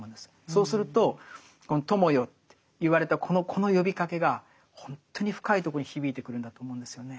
そうするとこの「友よ」と言われたこの呼びかけがほんとに深いとこに響いてくるんだと思うんですよね。